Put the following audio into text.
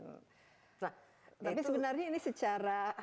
tapi sebenarnya ini secara